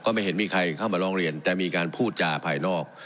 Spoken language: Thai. ไม่เห็นมีใครเข้ามาร้องเรียนแต่มีการพูดจาภายนอก